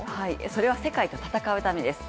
それは世界と戦うためです。